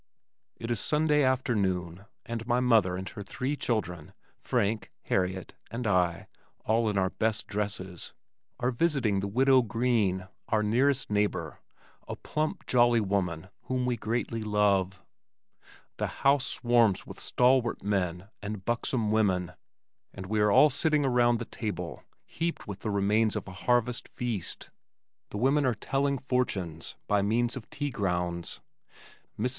It is Sunday afternoon and my mother and her three children, Frank, Harriet and I (all in our best dresses) are visiting the Widow Green, our nearest neighbor, a plump, jolly woman whom we greatly love. The house swarms with stalwart men and buxom women and we are all sitting around the table heaped with the remains of a harvest feast. The women are "telling fortunes" by means of tea grounds. Mrs.